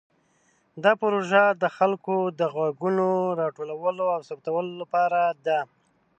دا پروژه د خلکو د غږونو راټولولو او ثبتولو لپاره ده.